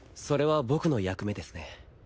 それは僕の役目ですね。